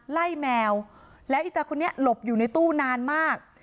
แมวแล้วอีตาคนนี้หลบอยู่ในตู้นานมาก